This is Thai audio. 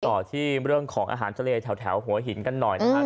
ต่อที่เรื่องของอาหารทะเลแถวหัวหินกันหน่อยนะครับ